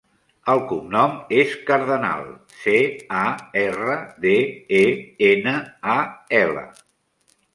El cognom és Cardenal: ce, a, erra, de, e, ena, a, ela.